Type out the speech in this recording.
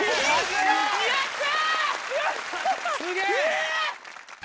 やった！